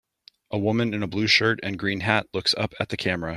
A woman in a blue shirt and green hat looks up at the camera.